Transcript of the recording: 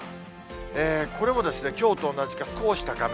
これもきょうと同じか少し高め。